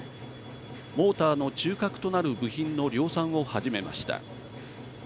モーターの中核となる部品の量産を始めました。